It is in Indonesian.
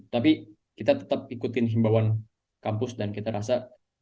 tapi kita tetap ikutin himbauan kampus dan kita rasa